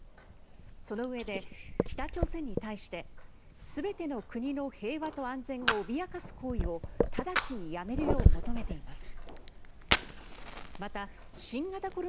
そのうえで、北朝鮮に対して全ての国の平和と安全を脅かす行為を直ちにやめるよう求めています。